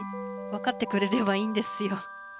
分かってくれればいいんですよ。